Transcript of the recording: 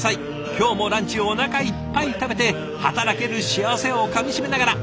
今日もランチをおなかいっぱい食べて働ける幸せをかみしめながら。